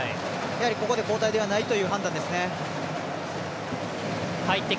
ここで交代ではないという判断ですね。